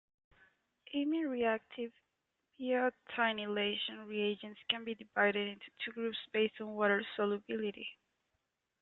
Amine-reactive biotinylation reagents can be divided into two groups based on water solubility.